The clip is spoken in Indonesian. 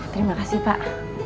terima kasih pak